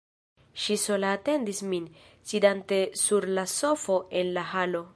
Ŝi sola atendis min, sidante sur la sofo en la halo.